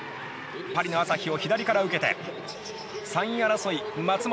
パリの朝日を左から受けて３位争い、松本。